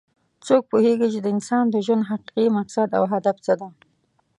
څوک پوهیږي چې د انسان د ژوند حقیقي مقصد او هدف څه ده